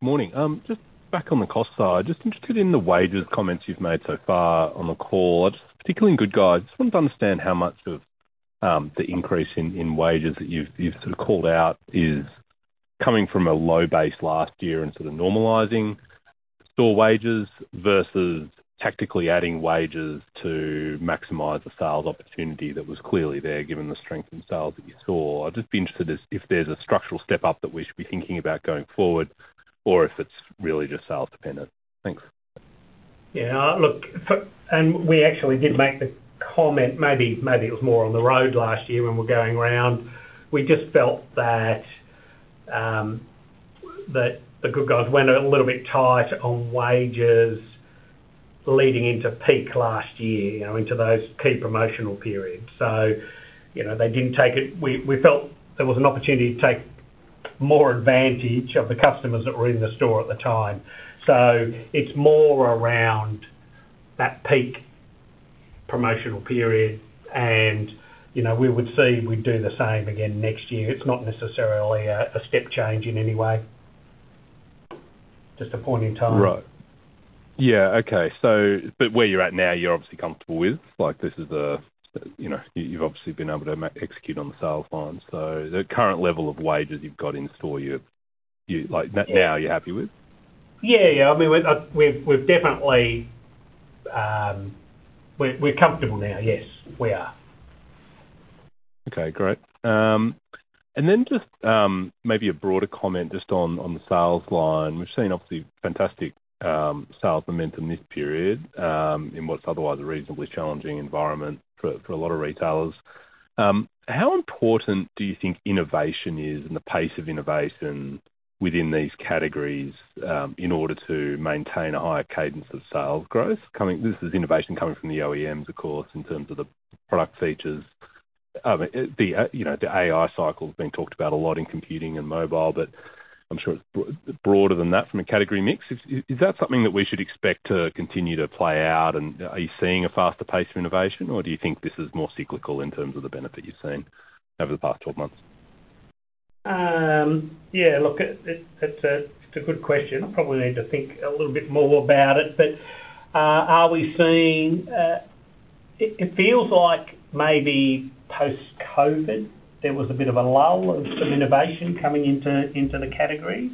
Morning. Just back on the cost side, just interested in the wages comments you've made so far on the call. Particularly in Good Guys, just wanted to understand how much of the increase in wages that you've sort of called out is coming from a low base last year and sort of normalising store wages versus tactically adding wages to maximise the sales opportunity that was clearly there given the strength in sales that you saw. I'd just be interested if there's a structural step up that we should be thinking about going forward or if it's really just sales dependent. Thanks. Yeah, look, and we actually did make the comment, maybe it was more on the road last year when we're going round. We just felt that The Good Guys went a little bit tight on wages leading into peak last year, into those key promotional periods. So they didn't take it. We felt there was an opportunity to take more advantage of the customers that were in the store at the time. So it's more around that peak promotional period, and we would see we'd do the same again next year. It's not necessarily a step change in any way, just a point in time. Right. Yeah, okay. But where you're at now, you're obviously comfortable with. You've obviously been able to execute on the sales line. So the current level of wages you've got in store, now you're happy with? Yeah, yeah. I mean, we've definitely, we're comfortable now, yes. We are. Okay, great. Then just maybe a broader comment just on the sales line. We've seen obviously fantastic sales momentum this period in what's otherwise a reasonably challenging environment for a lot of retailers. How important do you think innovation is and the pace of innovation within these categories in order to maintain a higher cadence of sales growth? This is innovation coming from the OEMs, of course, in terms of the product features. The AI cycle has been talked about a lot in computing and mobile, but I'm sure it's broader than that from a category mix. Is that something that we should expect to continue to play out? Are you seeing a faster pace of innovation, or do you think this is more cyclical in terms of the benefit you've seen over the past 12 months? Yeah, look, it's a good question. I probably need to think a little bit more about it. But, are we seeing? It feels like maybe post-COVID, there was a bit of a lull of some innovation coming into the categories.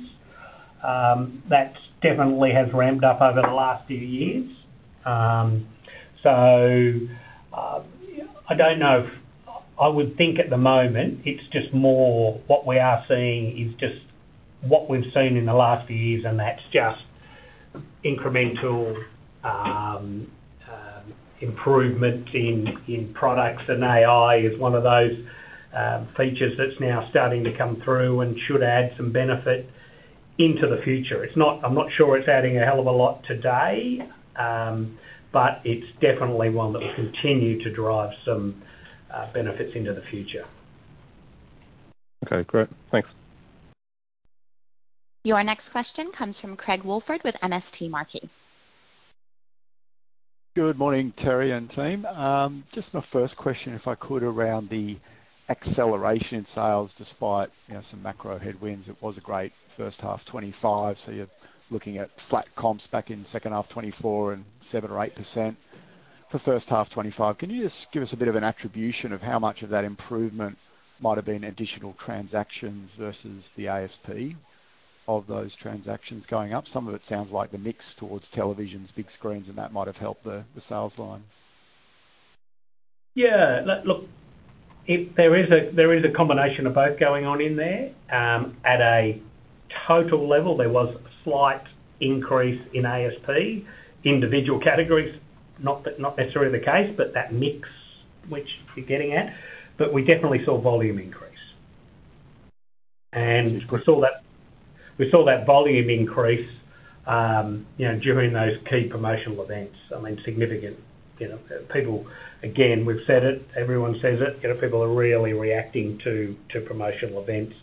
That definitely has ramped up over the last few years. So I don't know. I would think at the moment, it's just more what we are seeing is just what we've seen in the last few years, and that's just incremental improvement in products, and AI is one of those features that's now starting to come through and should add some benefit into the future. I'm not sure it's adding a hell of a lot today, but it's definitely one that will continue to drive some benefits into the future. Okay, great. Thanks. Your next question comes from Craig Woolford with MST Marquee. Good morning, Terry and team. Just my first question, if I could, around the acceleration in sales despite some macro headwinds. It was a great first half 2025, so you're looking at flat comps back in second half 2024 and 7% or 8% for first half 2025. Can you just give us a bit of an attribution of how much of that improvement might have been additional transactions versus the ASP of those transactions going up? Some of it sounds like the mix towards televisions, big screens, and that might have helped the sales line. Yeah. Look, there is a combination of both going on in there. At a total level, there was a slight increase in ASP. Individual categories, not necessarily the case, but that mix which you're getting at. But, we definitely saw volume increase. We saw that volume increase during those key promotional events. I mean, significant. People, again, we've said it, everyone says it. People are really reacting to promotional events.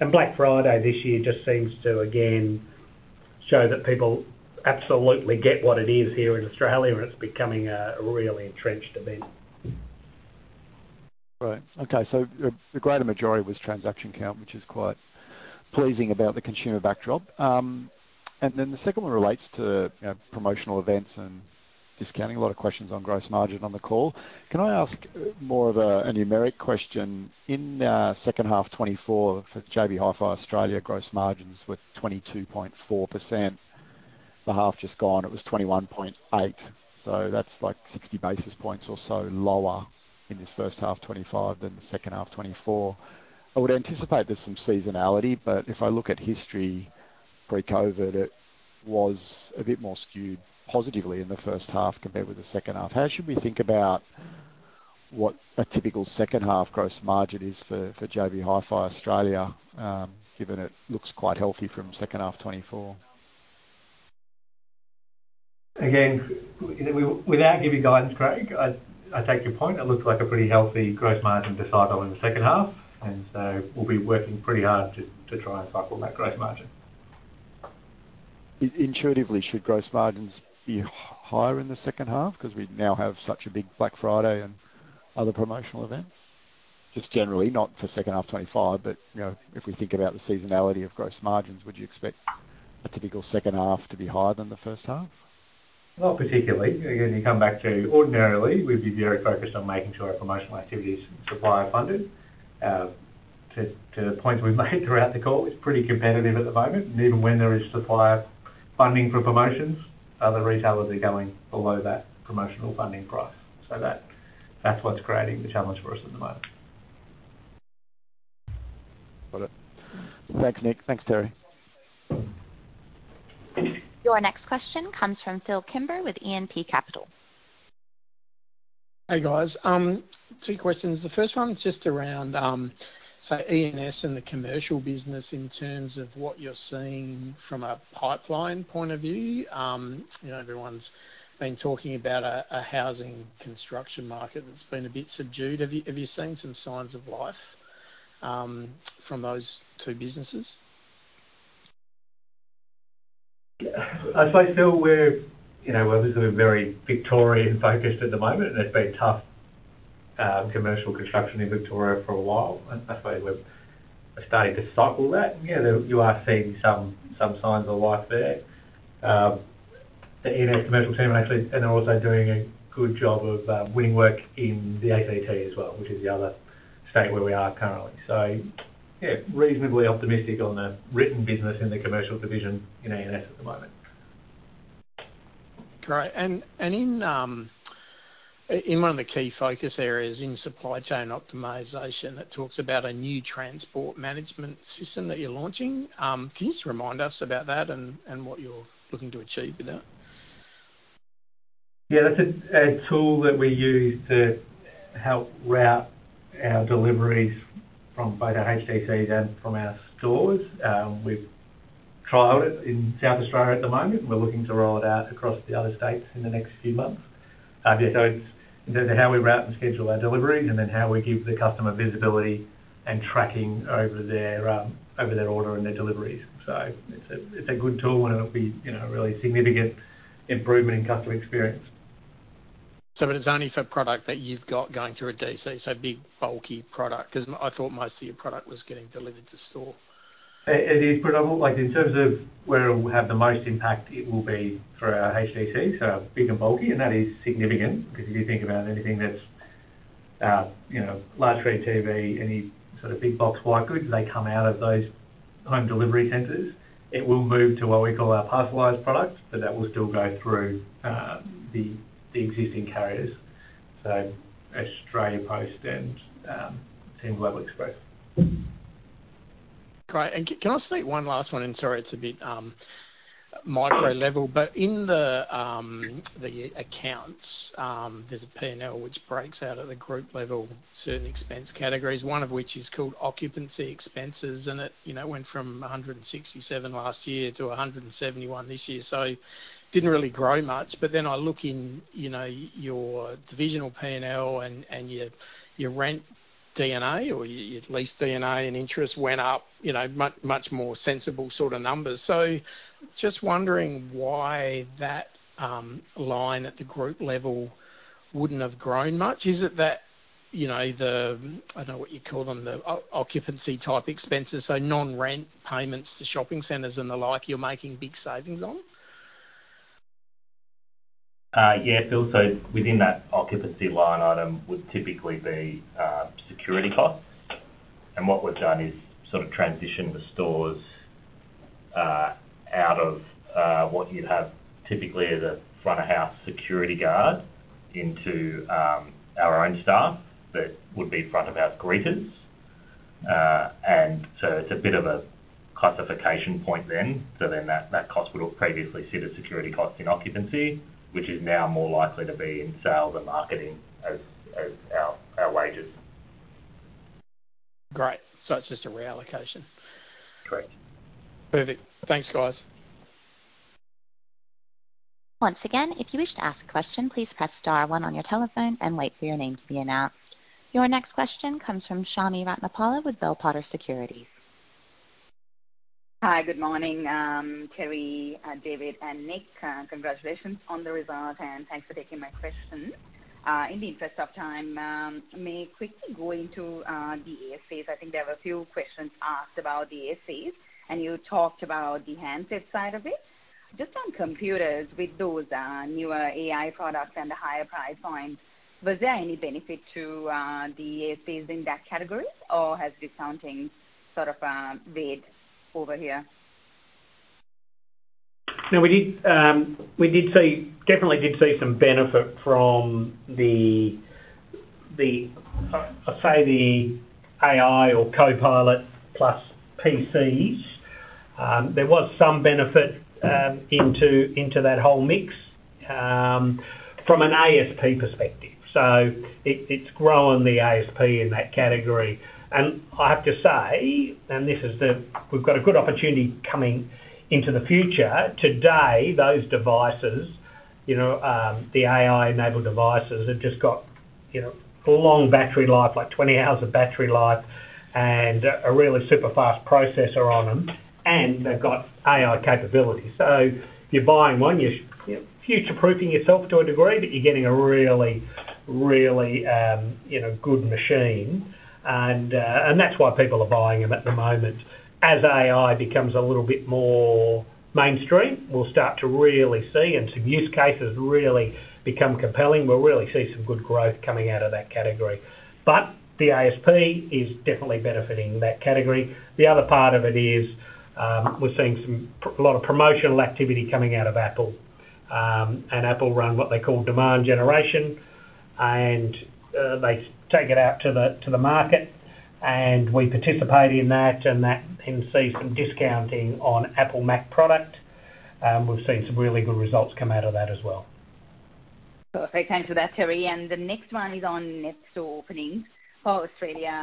Black Friday this year just seems to, again, show that people absolutely get what it is here in Australia, and it's becoming a really entrenched event. Right. Okay. The greater majority was transaction count, which is quite pleasing about the consumer backdrop. The second one relates to promotional events and discounting. A lot of questions on gross margin on the call. Can I ask more of a numeric question? In second half 2024 for JB Hi-Fi Australia, gross margins were 22.4%. The half just gone, it was 21.8%. So that's like 60 basis points or so lower in this first half 2025 than the second half 2024. I would anticipate there's some seasonality, but if I look at history pre-COVID, it was a bit more skewed positively in the first half compared with the second half. How should we think about what a typical second half gross margin is for JB Hi-Fi Australia, given it looks quite healthy from second half 2024? Again, without giving guidance, Craig, I take your point. It looks like a pretty healthy gross margin to cycle in the second half. And so we'll be working pretty hard to try and cycle that gross margin. Intuitively, should gross margins be higher in the second half because we now have such a big Black Friday and other promotional events? Just generally, not for second half '25, but if we think about the seasonality of gross margins, would you expect a typical second half to be higher than the first half? Not particularly. Again, you come back to ordinarily, we'd be very focused on making sure our promotional activity is supplier funded. To the points we've made throughout the call, it's pretty competitive at the moment. And even when there is supplier funding for promotions, other retailers are going below that promotional funding price. So that's what's creating the challenge for us at the moment. Got it. Thanks, Nick. Thanks, Terry. Your next question comes from Phil Kimber with E&P Capital. Hey, guys. Two questions. The first one is just around, say, E&S and the commercial business in terms of what you're seeing from a pipeline point of view. Everyone's been talking about a housing construction market that's been a bit subdued. Have you seen some signs of life from those two businesses? I'd say still we're obviously very Victorian-focused at the moment, and it's been tough commercial construction in Victoria for a while. I suppose we're starting to cycle that. Yeah, you are seeing some signs of life there. The E&S commercial team are actually, and they're also doing a good job of winning work in the ACT as well, which is the other state where we are currently. So yeah, reasonably optimistic on the written business in the commercial division in E&S at the moment. All right. And in one of the key focus areas in supply chain optimization, it talks about a new transport management system that you're launching. Can you just remind us about that and what you're looking to achieve with that? Yeah, that's a tool that we use to help route our deliveries from both our HDCs and from our stores. We've trialed it in South Australia at the moment. We're looking to roll it out across the other states in the next few months, so it's how we route and schedule our deliveries and then how we give the customer visibility and tracking over their order and their deliveries, so it's a good tool and it'll be a really significant improvement in customer experience. So it's only for product that you've got going through a DC, so big, bulky product, because I thought most of your product was getting delivered to store. It is predictable. In terms of where it will have the most impact, it will be for our HDC, so big and bulky. And that is significant because if you think about anything that's large screen TV, any sort of big box white goods, they come out of those home delivery centers. It will move to what we call our bypass product, but that will still go through the existing carriers, Australia Post and Team Global Express. Great. And can I sneak one last one in? Sorry, it's a bit micro level. But in the accounts, there's a P&L which breaks out at the group level, certain expense categories, one of which is called occupancy expenses, and it went from 167 last year to 171 this year. So it didn't really grow much. But then I look in your divisional P&L and your rent D&A or your lease D&A and interest went up, much more sensible sort of numbers. So just wondering why that line at the group level wouldn't have grown much. Is it that the, I don't know what you call them, the occupancy type expenses, so non-rent payments to shopping centers and the like, you're making big savings on? Yeah, Phil. So within that occupancy line item would typically be security costs. And what we've done is sort of transition the stores out of what you'd have typically as a front-of-house security guard into our own staff that would be front-of-house greeters. And so it's a bit of a classification point then. So then that cost would have previously seen a security cost in occupancy, which is now more likely to be in sales and marketing as our wages. Great. So it's just a reallocation. Correct. Perfect. Thanks, guys. Once again, if you wish to ask a question, please press star one on your telephone and wait for your name to be announced. Your next question comes from Chami Ratnapala with Bell Potter Securities. Hi, good morning, Terry, David, and Nick. Congratulations on the result, and thanks for taking my question. In the interest of time, may I quickly go into the ASPs? I think there were a few questions asked about the ASPs, and you talked about the handset side of it. Just on computers, with those newer AI products and the higher price points, was there any benefit to the ASPs in that category, or has discounting sort of weighed over here? No, we definitely did see some benefit from the, I'd say, the AI or Copilot+ PCs. There was some benefit into that whole mix from an ASP perspective. So it's grown the ASP in that category and I have to say, and this is, we've got a good opportunity coming into the future. Today, those devices, the AI-enabled devices, have just got a long battery life, like 20 hours of battery life, and a really super fast processor on them and they've got AI capability. So if you're buying one, you're future-proofing yourself to a degree, but you're getting a really, really good machine and that's why people are buying them at the moment. As AI becomes a little bit more mainstream, we'll start to really see, and some use cases really become compelling. We'll really see some good growth coming out of that category. But the ASP is definitely benefiting that category. The other part of it is we're seeing a lot of promotional activity coming out of Apple and Apple run what they call demand generation, and they take it out to the market. We participate in that and see some discounting on Apple Mac product. We've seen some really good results come out of that as well. Perfect. Thanks for that, Terry. And the next one is on net store openings. For Australia,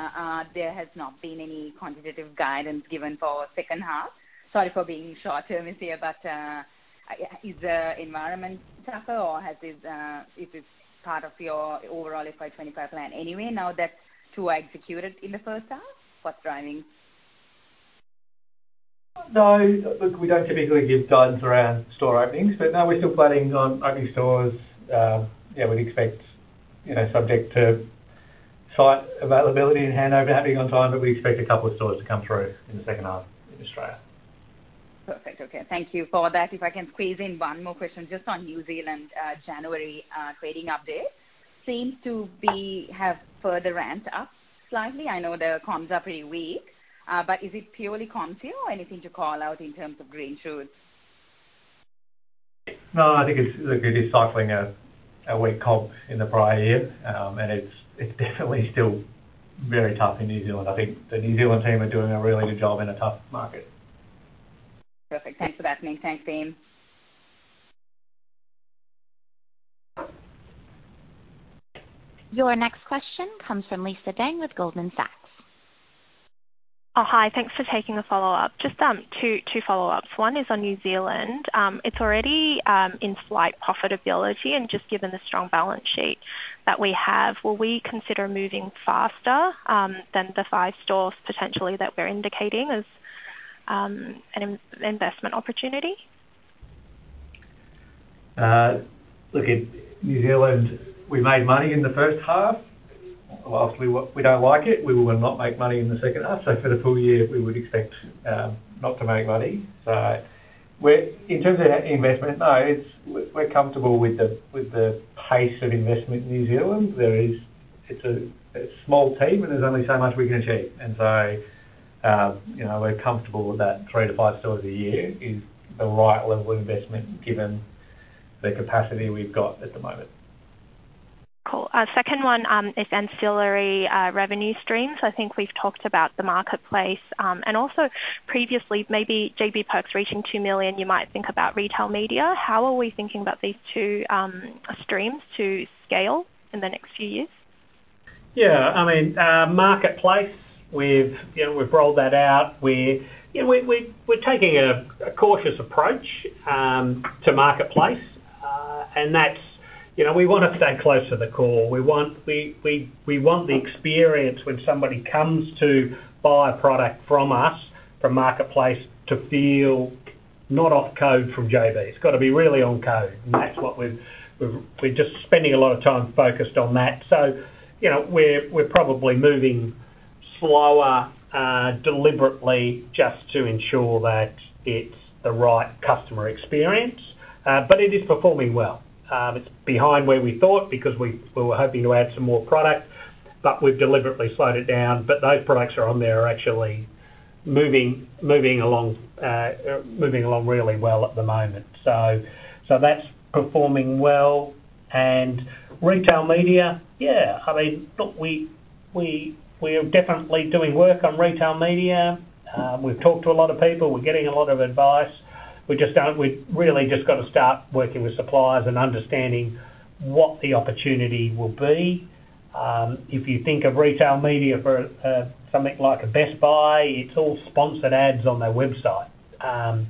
there has not been any quantitative guidance given for second half. Sorry for being short-termism here, but is the environment tougher, or is it part of your overall FY 2025 plan anyway now that two executed in the first half? What's driving? So look, we don't typically give guidance around store openings, but now we're still planning on opening stores. Yeah, we'd expect subject to site availability and handover happening on time, but we expect a couple of stores to come through in the second half in Australia. Perfect. Okay. Thank you for that. If I can squeeze in one more question, just on New Zealand, January trading update. Seems to be have further ramped up slightly. I know the comps are pretty weak. But is it purely comp here or anything to call out in terms of green shoots? No, I think it's cycling a weak comp in the prior year, and it's definitely still very tough in New Zealand. I think the New Zealand team are doing a really good job in a tough market. Perfect. Thanks for that, Nick. Thanks, team. Your next question comes from Lisa Deng with Goldman Sachs. Hi, thanks for taking the follow-up. Just two follow-ups. One is on New Zealand. It's already in slight profitability, and just given the strong balance sheet that we have, will we consider moving faster than the five stores potentially that we're indicating as an investment opportunity? Look, in New Zealand, we made money in the first half. Obviously, we don't like it. We will not make money in the second half. So for the full year, we would expect not to make money. So in terms of investment, no, we're comfortable with the pace of investment in New Zealand. It's a small team, and there's only so much we can achieve. And so we're comfortable with that three to five stores a year is the right level of investment given the capacity we've got at the moment. Cool. Second one is ancillary revenue streams. I think we've talked about the marketplace. And also previously, maybe JB Perks reaching two million, you might think about retail media. How are we thinking about these two streams to scale in the next few years? Yeah. I mean, marketplace, we've rolled that out. We're taking a cautious approach to marketplace, and we want to stay close to the core. We want the experience when somebody comes to buy a product from us, from marketplace, to feel not off core from JB. It's got to be really on core and that's what we're just spending a lot of time focused on that. So we're probably moving slower, deliberately, just to ensure that it's the right customer experience. But it is performing well. It's behind where we thought because we were hoping to add some more product, but we've deliberately slowed it down. But those products are on there actually moving along really well at the moment. So that's performing well and retail media, yeah. I mean, look, we are definitely doing work on retail media. We've talked to a lot of people. We're getting a lot of advice. We really just got to start working with suppliers and understanding what the opportunity will be. If you think of retail media for something like a Best Buy, it's all sponsored ads on their website. I'm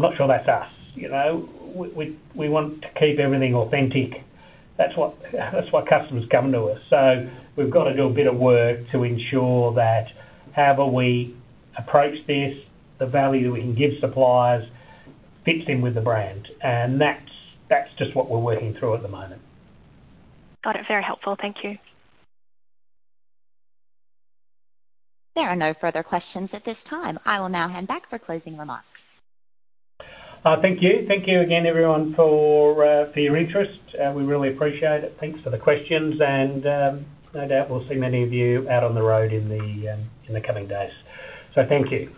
not sure that's us. We want to keep everything authentic. That's why customers come to us. So we've got to do a bit of work to ensure that however we approach this, the value that we can give suppliers fits in with the brand. And that's just what we're working through at the moment. Got it. Very helpful. Thank you. There are no further questions at this time. I will now hand back for closing remarks. Thank you. Thank you again, everyone, for your interest. We really appreciate it. Thanks for the questions. And no doubt, we'll see many of you out on the road in the coming days. So thank you.